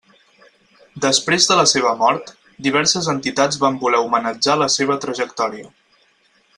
Després de la seva mort, diverses entitats van voler homenatjar la seva trajectòria.